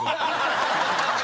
ハハハハ！